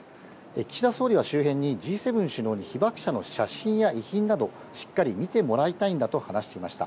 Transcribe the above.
岸田総理は周辺にＧ７首脳に被爆者の写真や遺品など、しっかり見てもらいたいんだと話していました。